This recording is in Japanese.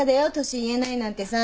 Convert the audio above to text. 年言えないなんてさ。